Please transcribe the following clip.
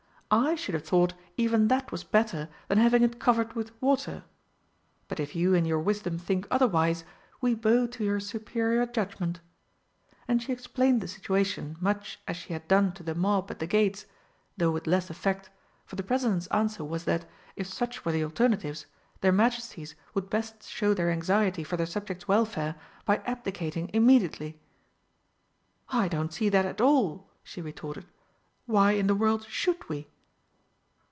"I should have thought even that was better than having it covered with water but if you in your wisdom think otherwise, we bow to your superior judgment." And she explained the situation much as she had done to the mob at the gates, though with less effect, for the President's answer was that, if such were the alternatives, their Majesties would best show their anxiety for their subjects' welfare by abdicating immediately. "I don't see that at all," she retorted. "Why in the world should we?"